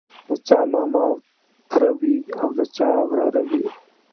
د چا ماما او تره وي او د چا وراره وي.